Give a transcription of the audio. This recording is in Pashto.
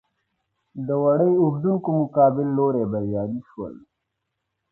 د وړۍ اوبدونکو مقابل لوری بریالي شول.